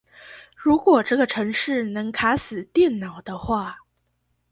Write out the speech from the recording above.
如果這個程式能卡死電腦的話